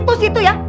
situ situ ya